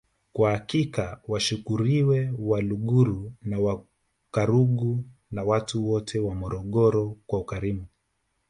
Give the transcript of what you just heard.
Kwa hakika washukuriwe Waluguru na Wakaguru na watu wote wa Morogoro kwa ukarimu